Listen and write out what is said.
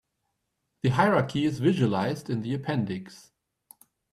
The hierarchy is visualized in the appendix.